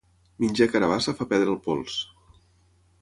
Menjar carabassa fa perdre el pols.